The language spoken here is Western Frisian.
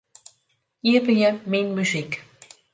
Iepenje Myn muzyk.